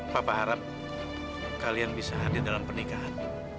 papa harap kalian bisa hadir dalam pernikahan